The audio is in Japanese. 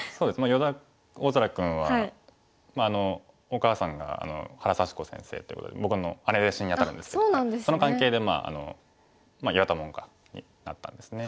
依田大空君はお母さんが原幸子先生ってことで僕の姉弟子に当たるんですけどその関係で岩田門下になったんですね。